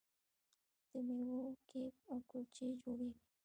د میوو کیک او کلچې جوړیږي.